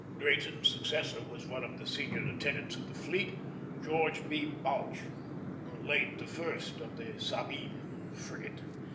Drayton's successor was one of the senior lieutenants of the fleet, George B. Balch, late the first of the Sabine frigate.